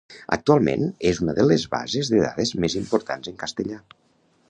Actualment és una de les bases de dades més importants en castellà.